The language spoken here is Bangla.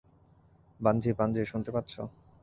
বানজি, বানজি, শুনতে পাচ্ছো?